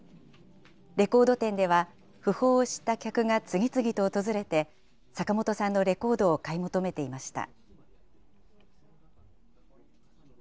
レコード店では訃報を知った客が次々と訪れて、坂本さんのレコードを買い求めていました。